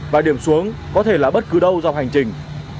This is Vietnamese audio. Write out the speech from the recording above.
và điểm xuống có thể là bất cứ đâu dọc hành trình